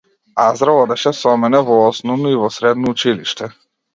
Азра одеше со мене во основно и во средно училиште.